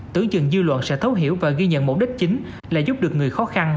tưởng chừng dư luận sẽ thấu hiểu và ghi nhận mục đích chính là giúp được người khó khăn